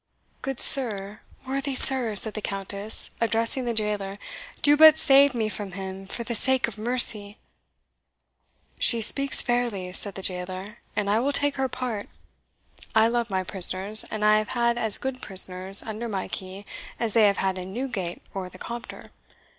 "Good sir, worthy sir!" said the Countess, addressing the jailer, "do but save me from him, for the sake of mercy!" "She speaks fairly," said the jailer, "and I will take her part. I love my prisoners; and I have had as good prisoners under my key as they have had in Newgate or the Compter.